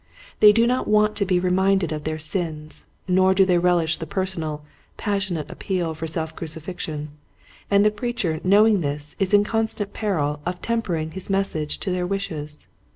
They do not want to be reminded of their sins, nor do they relish the personal, passionate appeal for self crucifixion ; and the preacher knowing this is in constant peril of tempering his mes sage to their wishes.